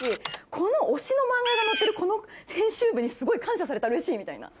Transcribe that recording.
この推しの漫画が載ってるこの編集部にすごい感謝されたらうれしいみたいな。